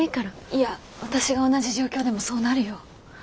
いや私が同じ状況でもそうなるよ。